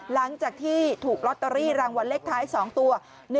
หลังจากที่ถูกลอตเตอรี่รางวัลเลขท้าย๒ตัว